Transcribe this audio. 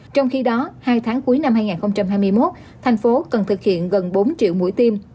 trong khi đó hai tháng cuối năm hai nghìn hai mươi một thành phố cần thực hiện gần bốn triệu mũi tiêm